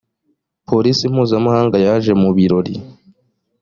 polisi mpuzamahanga yaje mu birori.